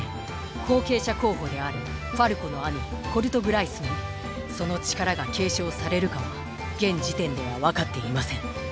後継者候補であるファルコの兄コルト・グライスにその力が継承されるかは現時点ではわかっていません。